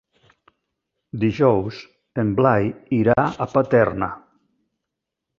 Dijous en Blai irà a Paterna.